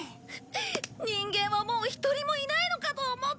人間はもう一人もいないのかと思ったよ。